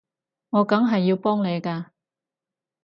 我梗係要幫你㗎